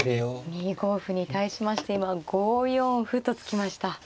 ２五歩に対しまして今５四歩と突きました。